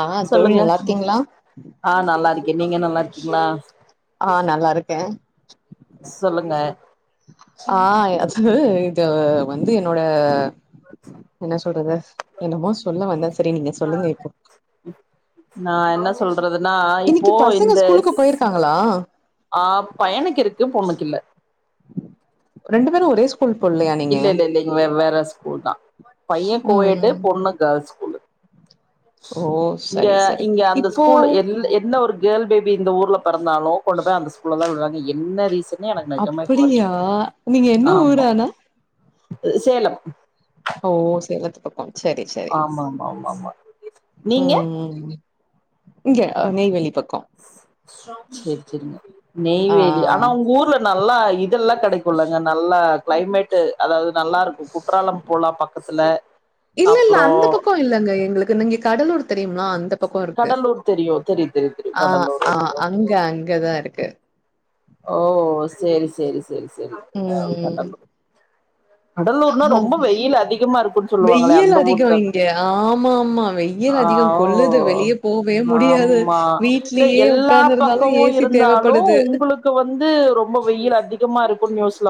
ஆ தோழி சொல்லுங்க நல்லா இருக்கீங்களா ஆ நல்லா இருக்கே நீங்க நல்லா இருக்கீங்களா ஆ நல்லா இருக்கே சொல்லுங்க ஆ அது இது வந்து என்னோட என்ன சொல்றது என்னமோ சொல்ல வந்த சரி நீங்க சொல்லுங்க இப்போ நா என்ன சொல்றதுன்னா இப்போ இன்னைக்கு பசங்க இந்த ஸ்கூலுக்கு ஸ் போயிருக்காங்களா ஆ பையணுக் இருக்கு பொண்ணுக்கில்ல ரெண்டு பேரு ஒரே ஸ்கூல் போலயா நீங்க இல்ல இல்ல இல்ல இங்க வேற ஸ்கூல் தா பைய கோயெட்டு ம் பொண்ணு கேல்ஸ் ஓ இங்க சரி சரி இங்க அந்த இப்போ ஸ்கூல் எல் என்ன ஒரு கேள் பேபி இந்த ஊர்ல பிறந்தாலு கொண்டு போயி அந்த ஸ்கூல தா விடுவாங்க என்ன ரீசன் அப்டியா நீங்க என்ன ஊரு ஆமா ஆனா சேலம் ஓ சேலத்து பக்கோ சேரி சேரி ஆமா ஆமா ஆமா ஆமா நீங்க ம் இங்க நெய்வேலி பக்கோ சேரி சேரிங்க ஆ நெய்வேலி ஆனா உங்க ஊர்ல நல்லா இதெல்லா கடைக்குல்ங்க நல்லா கிளைமேட் அதாது நல்லா இருக்கு குற்றாலம் போலா பக் பத்தல இல்லல்ல அந்த பக்கோ இல்லங்க எங்ளுக்கு இங்க கடலூர் தெரியுமா அந்த பக்கோ இருக் கடலூர் தெரியு தெரியு தெரியு தெரியு ஆ கடலூர் ஆ ஓகே ஓகே அங்க ஓகே அங்க தா இருக்கு ஓ சேரி சேரி சேரி சேரி அ ம் கடலூர் கடலூர்னா ஆ ரொம்ப வெயில் அதிகமா இருக்குன் சொல்லுவாங்ளே வெயில் அந்த அதிகம் ஊர்தான இங்க ஆமா ஆமா வெயில் ஆ அதிகம் ஓ கொல்லுது வெளிய போவே முடியாது ஆம்மா இல்ல வீட்லயே எல்லா உட்கார்ந்துருந்தாலும் பக்கமு ஏசி இருக் ந்தாலு தேவைப்படுது உங்ளுக்கு வந்து ரொம்ப வெயில் அதிகமா இருக்கு யோசிக்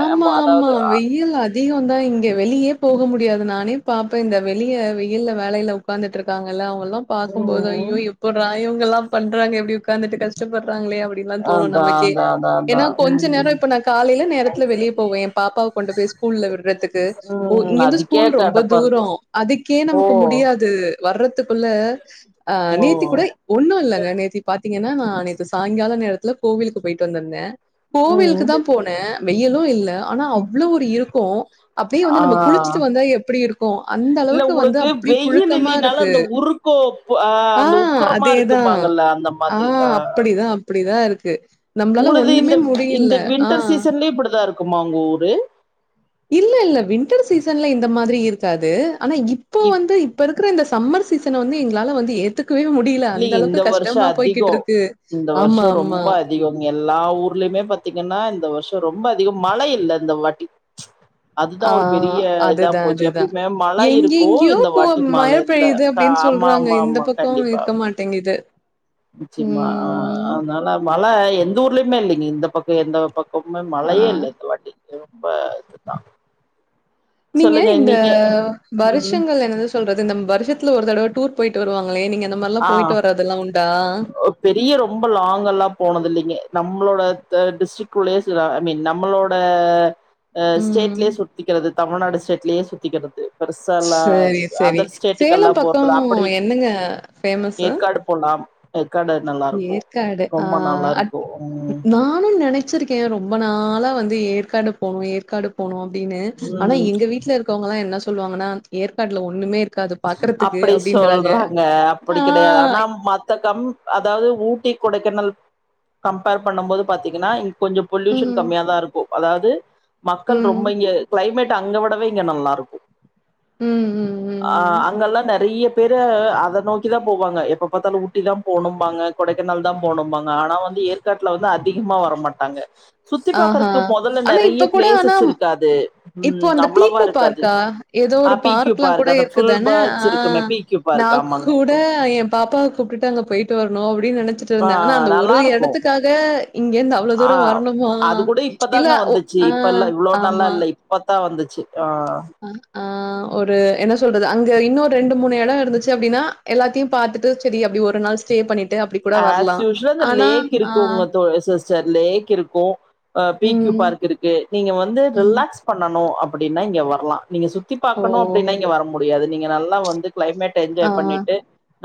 ஆமா ஆமா வெயில் அதி அதிககே தா இங்க வெளியே போக முடியாது நானே பாப்ப இந்த வெளிய வெய்ல வேலையில உ உக்காந்துட்ருக்காங்கல்ல அவங்கல்லா பாக்கும் போது ம் ஐயோ எப்புறா இவங்கல்லா பண்றாங்க எப்டி உட்காந்துட்டு கஷ்டபட்றாங்களே அப்டி அப்டிலா தோணு அதா நமக்கே அதா அதா அதா ஏனா கொஞ்ச ம் நேரம் இப்ப நா காலையில நேரத் வெளிய போவ ஏ பாப்பாவ கொண்டு போய் ஸ்கூல்ல விர்றதுக்கு ஓ ம் இங்கிந்து அதுக்கே ஸ்கூல் ரொம்ப கடப்பா இருக்கு தூரோ அதுக்கே ஓ நமக்கு முடியாது து வர்றதுக்குள்ள அ ஓ நேத்தி கூட ஒண்ணு இல்லங்க நேத்திக் பாத்தீங்கன்னா நா நேத்து சாயிங்கால நேரத்துல கோவிலுக்கு போயிட்டு வந்திருந்த கோவிலுக்கு ம் தா போன வெயிலு இல்ல ஆனா அவ்ளோ ஒரு இருக்கோ அப்டியே ஆ வந்து நம்ம குளிச்சிட்டு வந்தா எப்டி இருக்கு அந்த இல்ல அளவுக்கு வந்து உங்களுக்கு வெயில் புழுக்கமா இல்லினாலு இருக்கு அந்த உருக்கோப் ஆ அந்த உக்கரமா இருக்குபாங்கல்ல அந்த ம மாத்தி ஆ அப்டிதா இருக்கு நம்மளால உங்ளுது இந்த ஒண்ணுமே இந்த முடியல ஆ வின்டர் ஆ சீசன்லயு இப்டிதா இருக்குமா உங்க ஊரு இல்ல இல்ல வின்டர் சீசன்ல இந்த மாதிரி இருக்காது ஆனா இப்போ வந்து இப்ப இருக்கற இந்த சம்மர் சீசன வந்து எங்களால வந்து ஏதுக் இக்கவே முடியல இல்ல அந்த இந்த அளவுக்கு வருஷோ கஷ்டமா போய்கிட்டு இருக்கு ஆமா ஆமா அய்யோ இங்க எல்லா ஊர்லயுமே பாத்தீங்கன்னா இந்த வருஷோ ரொம்ப அதிகம் மழ இல்ல இந்த வாட்டி அதுதா ஆ ஒரு பெரிய இதா அதுதான், போச்சி அதுதான். எப்பயுமே மழ இருக்கு எங்கெங்கேயோ இந்த போ வாட்டி மழ மழை இ இல்ல பெய்யுது க ஆமா ஆமா ஆமா கண்டிப்பா தேங்கிது நிச்சியமா ஆ அதனால மழ எந்த ஊர்லயுமே இல்லைங்க இந்த பக்கம் எந்த பக் கோமே ஆ. மழையே இல்ல இந்த வாட்டி ரொம்ப இதுதா நீங்க இந்த ம் வருஷங்கள் என்னது சொ சொல்றது இந்த வருஷத்துல ஒரு தடவ டூர் போயிட்டு வருவாங்களே நீங்க அந்த மாறில்லா ஆ போயிட்டு வரதெல்லா உண்டா பெரிய ரொம்ப லாங்கெல்லா போனது இல்லைங்க நம்மளோட டிஸ்டிக் குள்ளே சில நம்மளோ ட ஆ ம். ஸ்டேட்லே சுத்திக்கிறது தமிழ்நாடு ஸ்டேட்லயே சுத்திக்கிறது பெருசா எல்லாம் சரி, சரி. அதர் ஸ்டேட்டுக்கெல்லா சேலம் போறதில பக்கம் அப்படி என்னங்க ஃபேமஸ் ஏற்காடு போலாம் ஏற்காடு நல்லா இருக்கு ஏற்காடு ஆ ரொம்ப நல்லா இருக்கு ம் நானும் நெனச் சிருக்கேன் ரொம்ப நாளா வந்து ஏற்காடு போவுனு ஏற்காடு போவுனு அப்டின்னு ஆனா ம் எங்க வீட்ல இருக் இருக்கவங்கலா என்ன சொல்லுவாங்கன்னா ஏற்காடுல ஒண்ணுமே இருக் அப்டி சொல்றாங்க அப்டி ஆ. கெடையாது ஆனா மத்த கம் அதாவது ஊட்டி கொடைக்கானல் கம்பேர் பண்ணமோது பாத்தீங்கன்னா இங் கொஞ்சம் பொல்யூஷன் ம், கம்மியா தா இருக்கும் அதாவது மக்கள் ரொம்ப ம், இங்க கிளைமேட் டு அங்க விடவே இங்க நல்லா இருக்கும் ம் ம் ம், ஆ ம். அங்கெல்லா நெறையா பேரு அத நோக்கிதா போவாங்க எப்ப பாத்தாலு ஊட்டி தா போனும்பாங்க கொடைக்கானல் தா போனும்பாங்க ஆனா வந்து ஏற் காட்ல வந்து அதிகமா வரமாட்டாங்க சுத்தி ஆஹா. பாக்கறக்கு மொதல்ல ஆனா நெறயா கூட ஆனா பிளேசஸ் இருக்காது இப்ப ம் அந்த அவ்வளவா பீக்கோ இருக்காது பார்க்கா எதோ ஆ ஒரு பி கியூ பார்க்லாம் கூட பார்க் அந்த இரு ஃபுல் க்குதான பேர்ட்ஸ் ஆ இருக்குமே பி கியூ நா பார்க் ஆமாங்க கூட ட என் பாப்பாவ கூப்ட்டுட்டு அங்க போயிட்டு வரணு அப்டின்னு நெனைச்சிட்டு ஆ இருந்த ஆனா அந்த ஒரு நல்லாருக்கு எடத்துக்கா க இங்க இருந்து அவ் ஆ அது கூட இப்பதாங்க ஒ வந்துச்சி ஆ இப்ப இல்ல இவ்ளோ நாள்லா ஆமா. இல்ல இப் பத்தா வந்துச்சி ஆ ஆ ஆ ஒரு என்ன சொல்றது அங்க இன்னோ ரெண்டு மூணு எட இருந்துச்சி அப்டின்னா எல்லாத்தையு பாத்துட்டு செரி அப்டி ஒரு நாள் ஸ்டே பண்ணிட்டு அப்டி கூட அஸ் வரலாம். யூஸ்வல் அந்த ஆனா லேக் ஆ இருக்குங்க தோழி சிஸ்டர் லேக் இருக்கும் பி க்யூ ம், பார்க் இருக்கு நீங்க வந்து ம். ரிலாக்ஸ் பண்ணணு அப்டின்னா இங்க வரலா நீங்க சுத்தி ஓ! பாக்கணு அப்டின்னா இங்க வர முடியாது நீங்க நல்லா வந்து கிளைமேட் டு ஆ, என்ஜாய் பண்ணிட்டு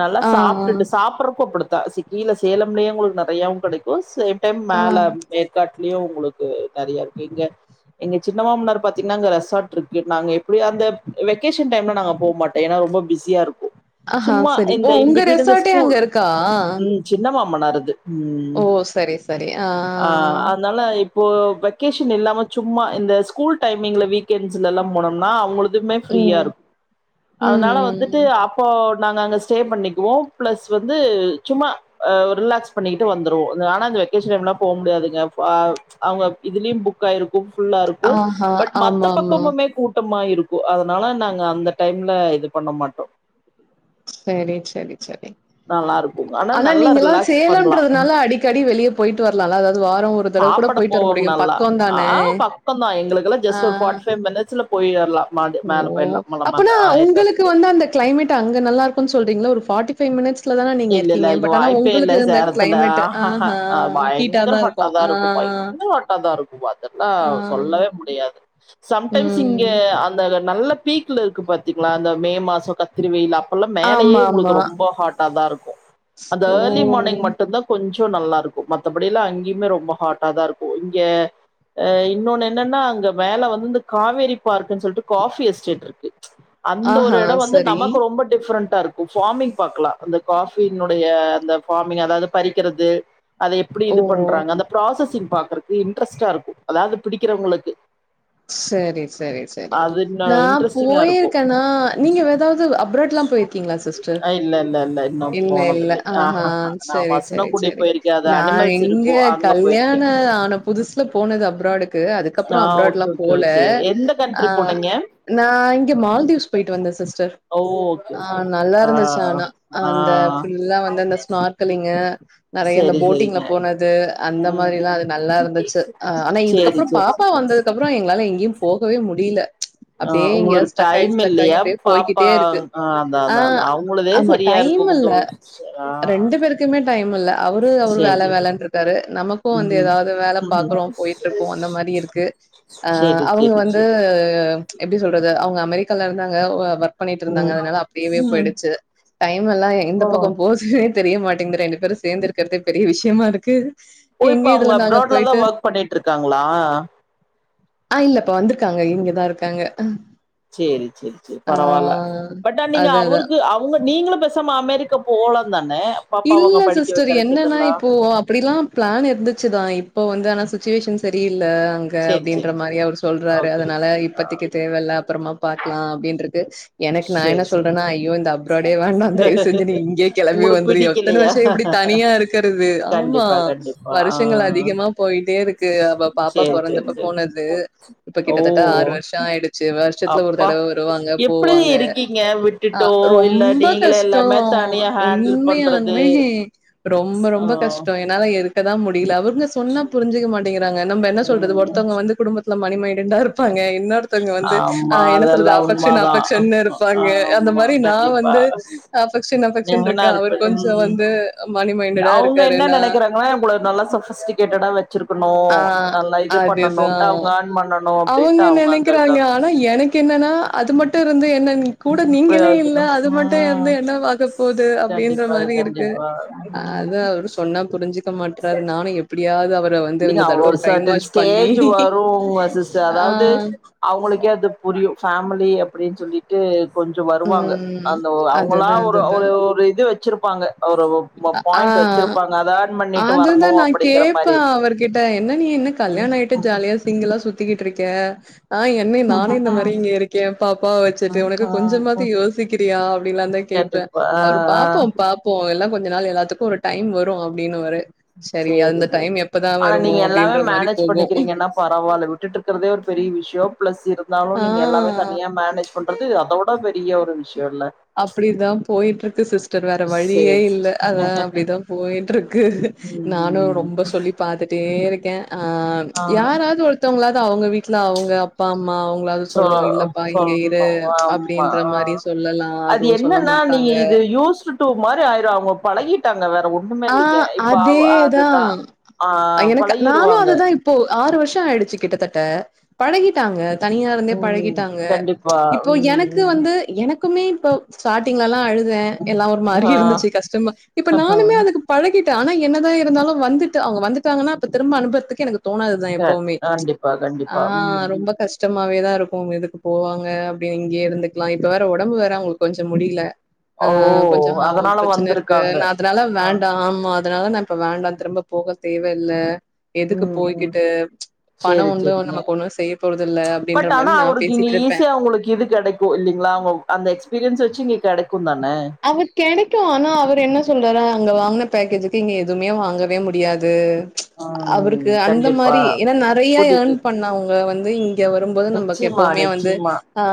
நல்லா ஆ, சாப்டுட்டு சாப்படறப்ப அப்டி கா சி கீழ சேலம்லயே உங்களுக்கு நெறையாவு கெடைக்குங சில டைம் ஆ. ஆ. மேல ஏற்காட்லயு உங்களுக்கு நெறயா இருக்கு இங்க எங்க சின்ன மாமனார் பாத்தீங்கன்னா அங்க ரெசார்ட் இருக்கு நாங்க எப்டி அந்த வெகேஷன் டைம்ல நாங்க போ மாட் டோ ஏன்னா ரொம்ப பிஸியா இருக்கும் ஆஹ செரி ஓ உங்க ரெசார்ட்டே அங்க இருக்கா எங்க சின்ன மாமனாரது ம் ஓ! சரி, சரி. ஆ அதனால இப்போ வெக்கேஷன் இல்லாம சும்மா இந்த ஸ்கூல் டைமிங்ல வீக்கெண்ட்ஸ்ல எல்லா போனோம்னா அவுங்களுக் எதுமே ப்ரீயா ம், இருக் ம், அதனால வந் துட்டு ம். அப்போ நாங்க அங்க ஸ்டே பண்ணிக்குவோ பிளஸ் வந்து சும்மா ரிலாக்ஸ் பண்ணிகிட்டு வந்துருவோ ஆனா அந்த வெக்கேஷன் டைம்லா போ முடியாதுங்க பா அவங்க இதுலயு புக் புக்கா ஆயிருக்கும் ஃபுல்லா இருக்கும் ஆஹா, பட் மத்த ஆமாமா. பக்கமுமே கூட்டமா இருக்கு அதனால நாங்க அந்த டைம்ல இது பண்ண மாட்டோ சேரி சேரி சேரி நல்லா இருக்குங்க ஆனா நல்லா நீங்கல்லா ரிலாக்ஸ் பண்லா சேலம்ன்றதுனால அடிக்கடி வெளியே போயிட்டு வரலா அதாவது வார ஒரு ஒரு தடவ கூட சாப்பட போயிட்டு வர போவோங்க முடியு நல்லா பக்க ஆ தானே பக்கந்தா ஆ போய் வரலா மா ஓ அப்பனா உங்களுக்கு வந்து அந்த கிளைமேட் அங்க நல்லா இருக்கும்ன்னு சொல்றீங்களா ஒரு பார்ட்டி பைவ் மினிட்ஸ்ல தான நீங்க இல்ல இல்ல இருக்கீங்க இங்க பட் ஆனா வாய்ப்பே இல்ல உங்களுக்கு இந்த சேலத்துல க்ளைமேட் ஆ ஹீட்டா தா இருக்கு அதா இருக்குப்பா இந்த கீட்டா தா இருக்குபா அதெல்லா ஆ. சொல்லவே முடியாது சம்டைம்ஸ் இங்க ம். அந்த நல்ல பீக்ல இருக்கு பாத்தீங்களா அந்த மே மாசம் கத்தி வெயில் அப்பெல்லா மேலேயே உங்களுக்கு ஆமாமா. ரொம்ப ஹாட் டாதா இருக்கு அந்த ஓ! ஏர்லி மார்னிங் மட்டும்தா கொஞ்சோ நல்லா இருக்கு மத்தபடி அங்கேயுமே ரொம்ப ஹாட்டா தா இருக்கு இங்கே இன்னொன்னு என்னன்னா அங்க மேல வந்து இந்த காவேரி பார்க்ன்னு சொல்லிட்டு காபி எஸ்டேட் அந்த ஒரு ஆஹா! இட வந்து சரி. நமக்கு ரொம்ப டிஃப்ரெண்டா இருக்கு ஃபார்மிங் பார்கலா அந்த காபினுடைய அந்த பார்மிங் அதாவது பறிக்கிறது அத எப்டி ஓ! இது பண்றாங்க அந்த ப்ராசஸிங் பாக்குறக்கு இன்ட்ரெஸ்ட்டா இருக்கு அத பிடிக்கிறவங்களுக்கு சேரி சேரி சேரி அது இன்னு நா இன்ட்ரெஸ்டிங்கா இருக்கு போயிருக்கேன்னா நீங்க ஏதாவது அப்ராட் எல்லா போயிருக்கீங்களா சிஸ்டர் அ இல்ல இல்ல இல்ல இன்னு இல்ல, இல்ல. போனதுல்ல ஆ ஆஹா! நா சரி, பசங்கல கூட்டிட்டு போயிருக்கே அது அனிமல்ஸ் இருக்கு அங்க கல்யாண போயிருக்கே ஆன புதுசுல போனது அப்ராடுக்கு அதுக்கப்புற ஆ அப்ராட் ஓகே எல்லா ஓகே போல ஓகே எந்த ஆ கண்ட்ரி போனீங்க நா இங்க மால்தீவ்ஸ் போயிட்டு வந்தே சிஸ்டர் ஓ ஓகே ஆ ஓகே ஓகே நல்லா ஆ இருந்துச்சு ஆனா அந்த ஆ ஃபுல்லா வந்து அந்த ஸ்னார்த்தலிங்க நேறைய இந்த செரி போட்டிங்ல செரிங்க போனது அந்த ம் மாரில்லா ம் அது நல்லாருந்துச்சு அ ஆனா சேரி இதுக்கப்புறோ சேரி பாப்பா சேரி. வந்ததுக்குப்புறோ ப்றோ எங்களால எங்கேயு போகவே முடில ஆ அப்படியே இங்கய உங்களுக்கு ஸ்டக்காய் டைம் ஸ்டக்காய் இல்லையா அப்படி பாப்பா போய்கிட்டே இருக்கு ஆ அதா ஆ அதா அதா அவங்களதே ஆமா சரியா டைம் இருக்கு இல்ல தோழி ஆ ரெண்டு பேருக்குமே டைம் இல்ல அவரு அவரு வேல சேரி சேரி வேலன்ட் இருக்காரு நமக்கு இப்போ வந்து ம் ஏதாவது வேல ம் பாார்கோ போயிட்டு இருக்கோ அந்த மாரி இருக்கு அ சேரி அவங்க சேரி வந்து சேரி எப்டி சொல்றது அவங்க அமெரிக்கால இருந்தாங்க ஓர்க் பண்ணிட்டு இருந்தாங்க ம் அதனால அப்படியே ம் போயிடுச்சு டைம் எல்லா எந்த ஓ பக்கோ போ தெரிய மாட்டேங்கு ரெண்டு பேரு சேர்ந்து இருக்குறதே பெரிய விஷயமா இருக்கு ஓ இப்ப எங்க அவங்க இதுல நாங்க அப்ராட்லதா போயிட்டு ஒர்க் பண்ணிட்டுருக்காங்களா ஆ இல்ல இப்ப வந்திருக்காங்க இங்கதா இருக்காங்க சேரி சேரி சேரி ஆ பரவாயில்ல பட் நீங்க அதா அதா அவருக்கு அவங்க நீங்களு பேசாம அமெரிக்க போலா தானே பாப்பா அவங்க இல்ல படிக்க சிஸ்டர் வைக்கிறக்கு என்னன்னா இதெல்லா இப்போ அப்படிலா பிளன் இருந்துச்சுதா இப்ப வந்து ஆனா சுச்சுவேஷன் சரியில்ல அங்க சேரி அப்டின்ற சேரி மாரி சேரி அவர் சொல்றாரு ஓகே ஓகே அதனால இப்போத்திக்கு தேவயில்ல அப்புறமா பார்த் லா அப்டின்ருக்கு எனக்கு நா என்ன சேரி சேரி சொல்றேன்னா ஐயோ இந்த அப்ராடே வேண்டா தயவு செஞ்சு நீ இங்கே கிளம்பி உங்களுக்கு வந்து எத்தன பிடிக்கலையா வருஷோ எப்படி தனியா இருக்கிறது ஆமா கண்டிப்பா கண்டிப்பா ஆ வருஷங்கள் அதிகமா போயிட்டேருக்கு க்கு அவ பாப்பா சேரி சேரி பிறந்தப்ப சேரி போனது இப்ப ஓ கிட்டத்தட்ட ஆறு வருஷோ ஆயிடுச்சு வரு அப்பா எப்படி இருக்கீங்க அ விட்டுட்டோ இல்ல ரொம்ப நீங்களே எல்லாமே தனியா ஹாண்டில் பண் அணுமே ரொம்ப ரொம்ப கஷ்டோ எ என்னல இருக்கதா முடியல அவங்க சொன்னா புரிஞ்சுக்க மாட்டேங்கிறாங்க நம்ம என்ன சொல்றது ம் ஒருத்தவங்க வந்து குடும்பத்த ஃபுல்லா மணிமைன்டடா இருப்பாங்க இன்னோருத்தவங்க வந்து ஆ ஆமா என்ன சொல்றது அதெல்லா அஃபக்க்ஷன், உண்மதான் அஃபக்ஷன் இருப்பாங்க அந்த ஆமா மாரி நா கண்டிப்பா வந்து அஃபெக்க்ஷன் அஃபெக்க்ஷன் இருக்கு நெகனார் அவர் பெண் கொஞ்சோ ம் வந்து மணி மைண்டடா இருக்காருன்னா எங்கலா ஏ கூட நல்லா சஃபசிட்டிக்கேட்டடா வெச் வெச்சிருக்கணோ ஆ நல்லா இது அதுதா பண்ணணோன்ட்டு அவங்க யேர்ன் பண்ணணோ அப்டீன்ட்டு அவங்க அங்க விக்குறாய்ங்க இருக்காங்க ஆனா எனக்கு என்னன்னா அது மட்டு இருந்து என்ன ம் கூட நீங்களே இல்ல பிரயோஜனம் அது மட்டு இருந்து ம் என்ன வா போது அப்டீன்ற கண்டிப்பா மாரி இருக்கு கண்டிப்பா ம் அதா அவரு சொன்னா புரிஞ்சுக்க மாட்றாரு நானு எப்படியாவது அவர வந்து இல்லீங்க இந்த அவ தடவ ஒரு பிரைன் சட்டன் வாஷ் பண்ணி ஸ்டேஜ் வரோ சிஸ்டர் ஆ அதாவது அவங்களுக்கே அது புரியு ஃபேமிலி அப்டீன்னு சொல்லி ட்டு கொஞ்சோ வருவாங்க ம். அந்த அவங்களா அதுதான் ஒரு ஒரு அதுதான். ஒரு இது வெச்சிருப்பாங்க ஒரு அ பாயிண்ட் ஆ வெச்சிருப்பாங்க அதா ஏர்ன் பண்ணிட்டு வரணோ அப்டீங்கீற மாதிரி அத்த என்ன நீ என்ன கல்யாணோ ஆயிட்டு ஜாலியா சிங்குலா சுத்திகிட்ருக்க ஆ என்ன நானே இந்த மாரி இங்க இருக்கே பாப்பாவ வெச்சுட்டு உனக்கு கொஞ்சமாது யோசிக்கிறியா அப்டீன்லாந்த கேப்பே கண்டிப்பா ஆ அவரு ஆ பாப்போ பாப்போ எல்லா கொஞ்சோ நாள் எல்லாத்துக்கோ ஒரு டைம் வரோ அப்டீன்னு வாரு செரி சேரி அந்த சேரி டைம் எப்பதா ஆனா வருமோ நீங்க எல்லாமே அப்டீன்ற மாரி மேனேஜ் போகோ பண்ணிக்கிறீங்கன்னா பரவால்ல விட்டுட்ருக்கதே ஒரு பெரிய விஷ்யோ பிளஸ் இருந்தாலு நீங்க எல்லாமே த ஆ னியா மேனேஜ் பண்றது அதோட பெரிய ஒரு விஷ்யோ இல்ல அப்புடிதா போயிட்டு இருக்கு சிஸ் டர் வேற வழியே சேரி சேரி இல்ல அதா அப்புடிதா போயின்ட்ருக்கு நானு ம் ரொம்ப சொல்லி பாத்துட்டே இருக்கே ஆ ஆ யாராவது ஒருத்தோவங்களாவது அவுங்க வீட் ல அவுங்க அப்பா அம்மா அவுங்களாது சொ சொல்லணோ இல்லப்பா இங்க சொல்லணு இரு ஆமா அப்டீன்ற ஆ மாரி சொல்லலா அது அதுவு சொல்ல என்னன்னா மாட்றாங்க நீங்க இது யூசுட் டு மாரி ஆயிரோ அவுங்க பழகி விட்டாங்க வேற ஒண்ணுமே ஆ இல்லிங்க இப்ப அதேதா அதுதா ஆ பழகிருவாங்க இப்ப ஆறு வர்ஷோ ஆயிடுச்சி கிட்டத்தட்ட பழகிட்டாங்க தனியா இருந்தே ம் பழகிட்டாங்க கண்டிப்பா இப்போ ம் எனக்கு ம் வந்து எனக்குமே இப்ப ஸ்டார்டிங்லலா அழுதே எல்லா ஒரு மாரி ஆ இருந்துச்சி கஷ்டமா இப்ப நானுமே அது பழகிட்ட ஆனா என்னதா இருந்தாலு வந்துட்டு அவுங்க வந்துட்டாங்கன்னா அ திரும்ப அனுபறத்துக்கு எனக்கு தோணாதுதா க எப்பவுமே கண்டிப்பா ஆ கண்டிப்பா ம் ம் ரொம்ப கஷ் டமாவே தா இருக்கோ இதுக்கு போவாங்க அப்டீன்னு இங்கேயே இருந்துக்கலா இப்ப வேற ஒடம்பு வேற அவுங்குளுக்கு கொஞ்சோ முடியுல ஆ ஓ கொஞ்சோ அ அதனால பிரச்சன இருக்கு வந்திருக்காங்க நா அதனால ஆ வேண் ஆமா அதனால நா இப்ப வேண்டா திரும்ப போக தேவையில்ல எதுக்கு போய்கிட்டு செரி செரிங்க அப்படின்ற பட் ஆனா மாரி நான் அவருக்கு இங்க பேசிட்டு இருப்பேன். ஈஸியா உங்குளுக்கு இது கெடைக்கோ இல்லீங்களா அவுங்க அந்த எக்ஸ்பீரியன்ஸ் வெச்சு இங்க கெடைக்கோ தானே கெடைக்கோ ஆனா அவரு என்ன சொல்றாரா அங்க வாங்கின பேக்கேஜுக்கு இங்க எதுவுமே வாங்கவே முடியாது ம் அவருக்கு அந்த கண்டிப்பா மாரி ஏன்னா நறையா புரியுது ஏர்ன் பண்ண அவுங்க வந்து இங்க வரும்போது நமக்கு நிச்சயமா எப்பவுமே வந்து நிச்சயமா ஆ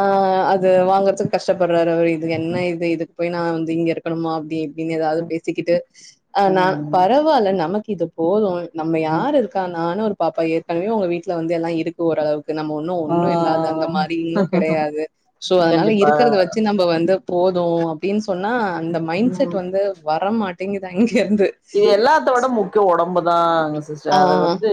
அது வாங்கறதுக்கு கஷ்டப்படுறாரு அவரு இது என்ன இது இதுக்கு போய் நா வந்து இங்க இருக்கணுமா அப்டி இங்க எதாவது ம் பேசிக்கிட்டு ஆ நா ம் பரவாயில்ல நமக்கு இது போதோ நம்ம ம் யாரு இருக் நானோ ஒரு பாப்பா ஏற்கனவே உங்க வீட்ல வந்து எல்லா இருக் ஓரளவுக்கு நம்மோ ஒன்னோ ஆ ஒன்னோ இல்லாது அந்த மாரி இன்னோ கெடையாது சோ அதனால கண்டிப்பா இருக்கறத வெச்சு நம் ப வந்து போது அப்டீன்னு சொன்னா அந்த மைண்ட் செட் ம் வந்து வரமாட்டேங்குதா இங்க இருந்து இது எல்லாத்தோட முக்கியோ ஒடம்புதாங்க சிஸ்டர் ஆ அது வந்து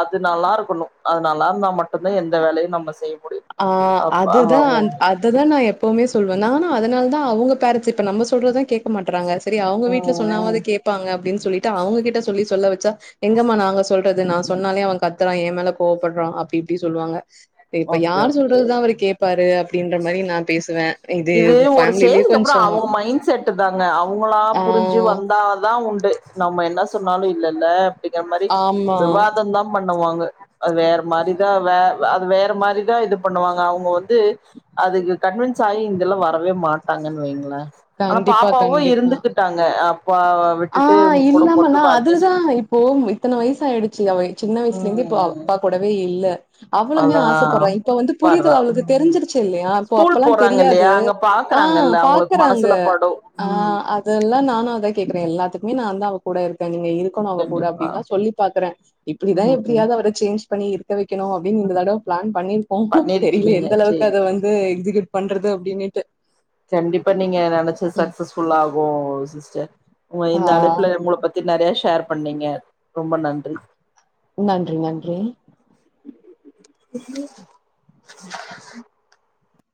அது நல்லா இருக்கணோ அது நல்லா இருந்தா மட்டோந்தா எந்த வேலையோ நம்ம செய்ய முடியு ஆ அப்பா அதுதா அவங்க அந் அ அது தா நா எப்பவுமே சொல்வேன் நானும் அதனால தான் அவுங்க பேர நம்ம சொல்றத கேட்க மாட்டறாங்க சரி அவுங்க வீட்டுல ம் சொன்னாவது ம் கேப்பாங்க அப்டின்னு சொல்லிட்டு அவுங்ககிட்ட சொல்லி சொல்ல வச்சா எங்கம்மா நாங்க சொல்றது நா சொன்னாலே அவன் கத்துறான் ஏ மேல கோவப்படுறான் அப்டி இப்டி சொல்லுவாங்க இப்ப ஓகே யார் ஓகே சொல்றதுதான் அவரு கேட்பாரு அப்டின்ற மாரி நா பேசுவே இது ஃபேமிலயே கொஞ்சோ செட்டு தாங்க அவுங்களா ஆ புரிஞ்சி வந்தா தான் உண்டு நம்ம என்ன சொன்னாலோ இல்ல இல்ல அப்டிங்கிற மாரி ஆமா விவாதோம் தான் பண்ணுவாங்க அது வேற மாரிதா வே அது வேற மாரிதா இது பண்ணுவாங்க அவுங்க வந்து அதுக்கு கன்வின்ஸ் ஆகி இதெல்லா வரவே மாட்டாங்கன்னு வைங்களன் ஆனா கண்டிப்பா பாப்பாவோ கண்டிப்பா இருந்துகிட்டாங்க அப்பா ஆ விட்டுட்டு உங்க கூட இல்லாமனா மட்டும் அட்ஜஸ்ட் அதுலதான் பண் இப்போ இத்தன வயசா ஆயிடுச்சிலவோய் சின்ன வயசுல இருந்தே இப்ப ம் அப்பா கூடவே இல்ல அவ்வளவுமே அதா ஆசப்படுறா இப்ப வந்து பட்றா புரியதல் அவ்வளுக்கு ம் தெரிஞ்சிருச்சி இல்லையா இப்போ ஸ்கூல் அப்பெல்லாம் போறாங்க இல்லையா தெரியாது அங்க ஆ பாக்குறாங்கல்ல அவங்களுக்கு பாக்குறாங்க மனசுல படும் ஆ ம் அதெல்லா நானோ அதா கேக்குறேன் எல்லாத்துக்குமே நான் தான் அவ கூட இருக்கேன் நீங்க இருக்கணும் அவ கூட கண்டிப்பா அப்டின்ல்லா சொல்லி பாக்குறன் இப்டிதா ம் எப்டியாவது அவர சேஞ்ச் பண்ணி இருக்க வைக்கணோ அப்டின்னு இந்த தடவ பிளான் பண்ணிருக்கோம் தெரியல பண்ணிருக்கீங்க எந்த அளவுக்கு சேரி அத சேரி வந்து எக்ஸிகயூட் பண்றது அப்டின்னீட்டு கண்டிப்பா நீங்க நெனச்சது சக்சஸ்ஃபுல்லா ஆகும் சிஸ்டர் உங்க ஆ இந்த அழைப்புல உங்கள பத்தி பத்தி நறைய ஷேர் பண்ணீங்க ரொம்ப நன்றி நன்றி நன்றி